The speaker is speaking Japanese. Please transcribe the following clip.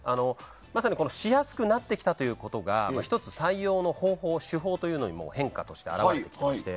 まさにしやすくなってきたということが１つ、採用の方法、手法にも変化として表れていまして。